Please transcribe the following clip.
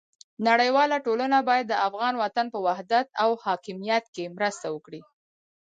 نړیواله ټولنه باید د افغان وطن په وحدت او حاکمیت کې مرسته وکړي.